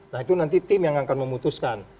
nah itu nanti tim yang akan memutuskan